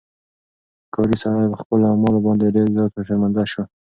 ښکاري سړی په خپلو اعمالو باندې ډېر زیات شرمنده شو.